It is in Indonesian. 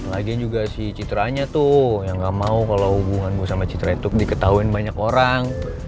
lagian juga si citranya tuh yang gak mau kalau hubungan gue sama citra itu diketahui banyak orang